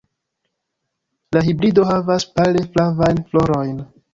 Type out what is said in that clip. La hibrido havas pale flavajn florojn.